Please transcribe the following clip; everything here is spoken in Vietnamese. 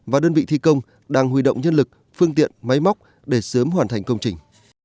và đơn vị thi công đang huy động nhân lực phương tiện máy móc để sớm hoàn thành công trình